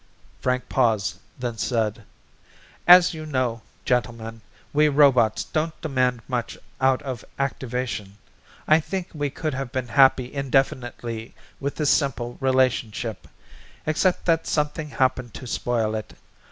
Frank paused, then said, "As you know, gentlemen, we robots don't demand much out of activation. I think we could have been happy indefinitely with this simple relationship, except that something happened to spoil it.